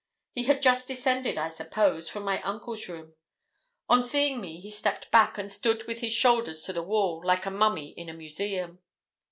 He had just descended, I suppose, from my uncle's room. On seeing me he stepped back, and stood with his shoulders to the wall, like a mummy in a museum.